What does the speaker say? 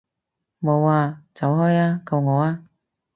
冇啊！走開啊！救我啊！